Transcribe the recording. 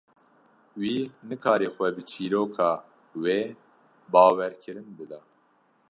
Wî nikarî xwe bi çîroka wê bawerkirin bida.